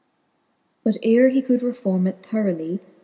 But ere he could reforme it thoroughly.